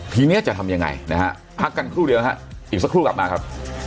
ทีนี้จะทำยังไงนะฮะพักกันครู่เดียวฮะอีกสักครู่กลับมาครับ